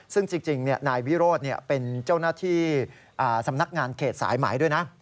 ซึ่งจริงนายวิโรธเป็นเจ้าหน้าที่สำนักงานเขตสายไหมด้วยนะ